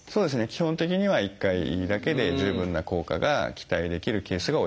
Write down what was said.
基本的には１回だけで十分な効果が期待できるケースが多いです。